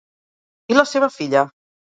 I la seva filla?